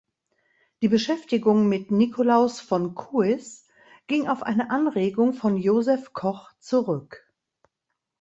Die Beschäftigung mit Nikolaus von Kues ging auf eine Anregung von Josef Koch zurück.